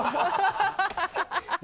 ハハハ